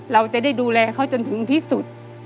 เราจะได้ดูแลเขาจนถึงที่สุด